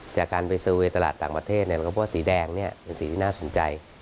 จากการไปเซอร์เวย์ตลาดต่างประเทศก็พบว่าสีแดงเป็นสีที่น่าสนใจ